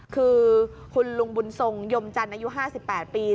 คือคุณลุงบุญทรงยมจันทร์อายุ๕๘ปี